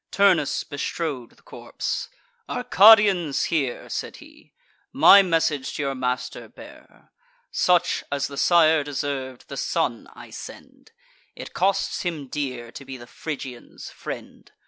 Turnus bestrode the corpse: "Arcadians, hear," Said he; "my message to your master bear: Such as the sire deserv'd, the son I send; It costs him dear to be the Phrygians' friend.